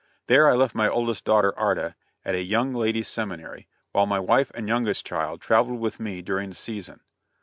There I left my oldest daughter, Arta, at a young ladies' seminary, while my wife and youngest child traveled with me during the season.